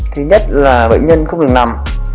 thứ nhất là bệnh nhân không đừng nằm